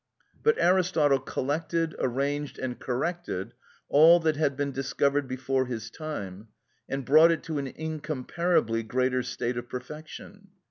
But Aristotle collected, arranged, and corrected all that had been discovered before his time, and brought it to an incomparably greater state of perfection.